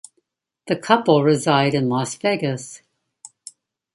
The couple reside in Las Vegas.